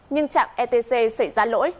nhưng chẳng etc xảy ra lỗi